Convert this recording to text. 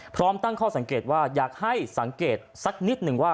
พร้อมตั้งข้อสังเกตว่าอยากให้สังเกตสักนิดหนึ่งว่า